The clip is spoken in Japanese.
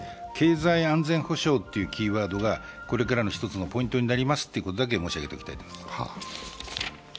経済安全保障というキーワードがこれからの１つのポイントになりますということだけ申し上げておきたいと思います。